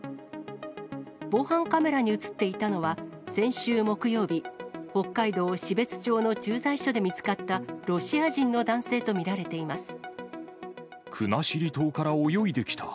防犯カメラに写っていたのは、先週木曜日、北海道標津町の駐在所で見つかったロシア人の男性と見られていま国後島から泳いできた。